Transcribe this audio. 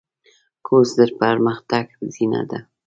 کورس د پرمختګ زینه ده.